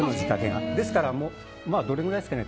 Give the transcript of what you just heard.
ですから、どれぐらいですかね。